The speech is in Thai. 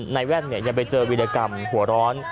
แว่นยังไปเจอวิรกรรมหัวร้อน